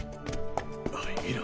おい見ろ。